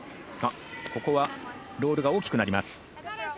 ここは、ロールが大きくなります。